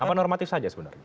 apa normatif saja sebenarnya